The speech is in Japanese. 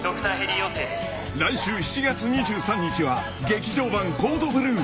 ［来週７月２３日は『劇場版コード・ブルー』］